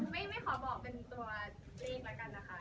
ไม่ขอบอกเป็นตัวเลขแล้วกันนะคะ